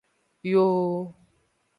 Yooo.